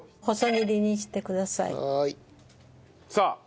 細切りにしてください。